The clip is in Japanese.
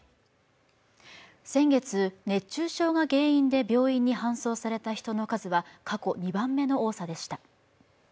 先月、熱中症が原因で病院に搬送された人の数は過去２番目の多さでした。